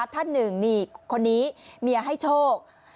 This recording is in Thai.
ท่านหนึ่งนี่คนนี้เมียให้โชค